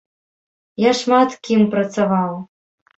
Я шмат кім працаваў.